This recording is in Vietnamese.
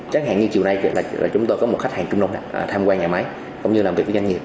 chẳng hạn như chiều nay chúng tôi có một khách hàng trung đông tham qua nhà máy cũng như làm việc với doanh nghiệp